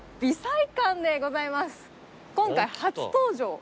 今回初登場。